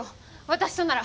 私となら。